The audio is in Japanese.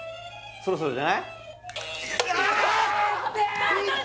そろそろじゃない？あーっ！